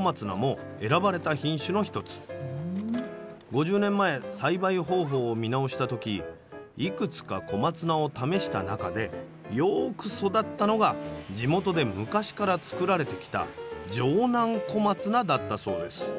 ５０年前栽培方法を見直した時いくつか小松菜を試した中でよく育ったのが地元で昔から作られてきた「城南小松菜」だったそうです。